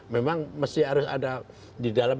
memang mesti harus ada di dalam